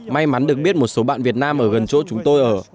may mắn được biết một số bạn việt nam ở gần chỗ chúng tôi ở